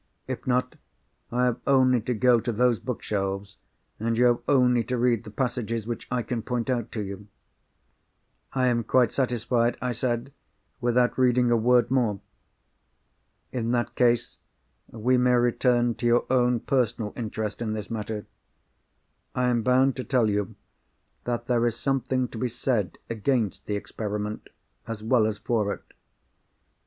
"If not, I have only to go to those bookshelves, and you have only to read the passages which I can point out to you." "I am quite satisfied," I said, "without reading a word more." "In that case, we may return to your own personal interest in this matter. I am bound to tell you that there is something to be said against the experiment as well as for it.